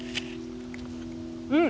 うん！